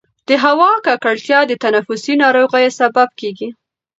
د هوا ککړتیا د تنفسي ناروغیو سبب کېږي.